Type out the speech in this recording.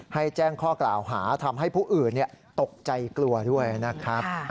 แจ้งข้อกล่าวหาทำให้ผู้อื่นตกใจกลัวด้วยนะครับ